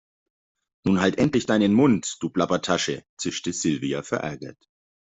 Nun halt endlich deinen Mund, du Plappertasche, zischte Silvia verärgert.